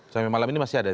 sampai malam ini masih ada